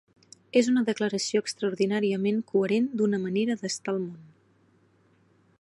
És una declaració extraordinàriament coherent d'una manera d'estar al món.